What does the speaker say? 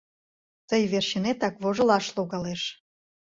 Тый верчынетак вожылаш логалеш...